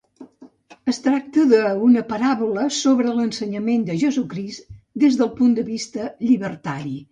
Es tracta d'una paràbola sobre l'ensenyament de Jesucrist des del punt de vista llibertari.